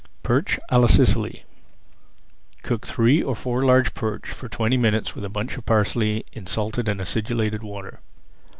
PERCH À LA SICILY Cook three or four large perch for twenty minutes with a bunch of parsley in salted and acidulated water.